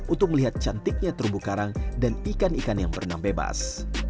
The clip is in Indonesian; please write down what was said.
untuk melihat cantiknya terumbu karang dan ikan ikan yang berenang bebas